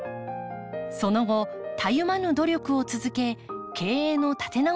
その後たゆまぬ努力を続け経営の立て直しを図っていきます。